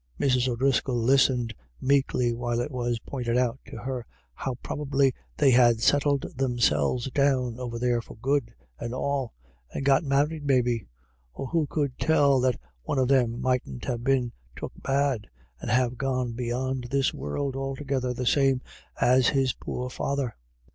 Mrs. O'Driscoll listened meekly while it was pointed out to her how probably they had settled them selves down over there for good and all, and got married maybe ; or who could tell that one of them HERSELF. 163 mightn't have been took bad, and have gone beyond this world altogether the same as his poor father